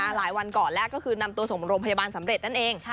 หลายวันก่อนแล้วก็คือนำตัวส่งโรงพยาบาลสำเร็จนั่นเอง